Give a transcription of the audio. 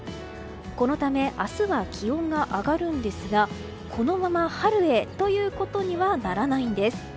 このため、明日は気温が上がるんですがこのまま春へということにはならないんです。